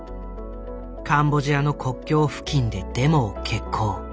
カンボジアの国境付近でデモを決行。